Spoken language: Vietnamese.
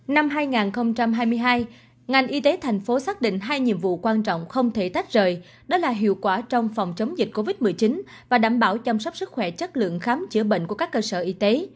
năm hai nghìn hai mươi hai ngành y tế thành phố xác định hai nhiệm vụ quan trọng không thể tách rời đó là hiệu quả trong phòng chống dịch covid một mươi chín và đảm bảo chăm sóc sức khỏe chất lượng khám chữa bệnh của các cơ sở y tế